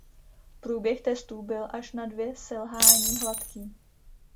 Průběh testů byl až na dvě selhání hladký.